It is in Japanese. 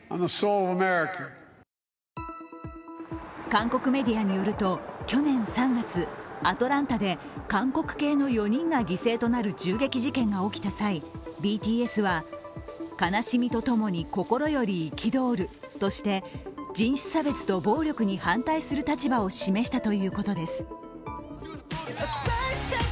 韓国メディアによると、去年３月アトランタで韓国系の４人が犠牲となる銃撃事件が起きた際ＢＴＳは、悲しみとともに心より憤るとして人種差別と暴力に反対する立場を示したということです。